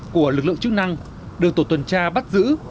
của lực lượng chức năng được tổ tuần tra bắt giữ